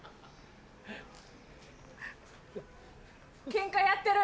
ケンカやってる？